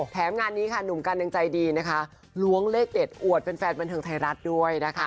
แถมงานนี้หนุ่มกันนึงใจดีล้วงเลขเด็ดอวดเป็นแฟนบันเทิงไทยรัฐด้วย